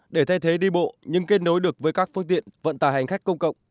để thay thế đi bộ nhưng kết nối được với các phương tiện vận tải hành khách công cộng